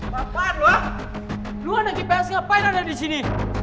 bapak luan luan lagi ps ngapain ada disini